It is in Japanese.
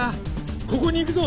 ここに行くぞ！